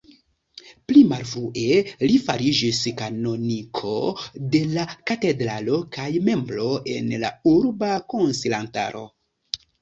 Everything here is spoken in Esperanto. Pli malfrue li fariĝis kanoniko de la katedralo, kaj membro en la Urba Konsilantaro.